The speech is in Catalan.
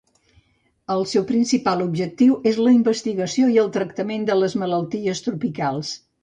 El seu principal objectiu és la investigació i el tractament de les malalties tropicals.